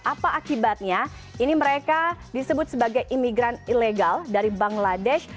apa akibatnya ini mereka disebut sebagai imigran ilegal dari bangladesh